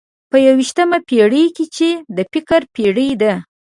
په یوویشتمه پېړۍ کې چې د فکر پېړۍ ده.